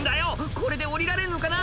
これで下りられるのかな？